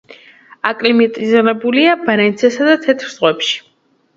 აკლიმატიზებულია ბარენცისა და თეთრ ზღვებში.